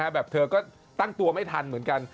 แบบเธอก็ตั้งตัวไม่ทันเหมือนกัน